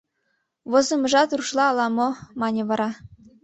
— Возымыжат рушла ала-мо, — мане вара.